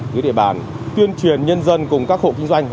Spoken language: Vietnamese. dưới địa bàn tuyên truyền nhân dân cùng các hộ kinh doanh